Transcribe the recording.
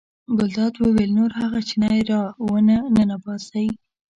ګلداد وویل نور هغه چینی را ونه ننباسئ.